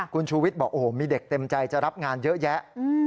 คุณชูวิทย์บอกโอ้โหมีเด็กเต็มใจจะรับงานเยอะแยะ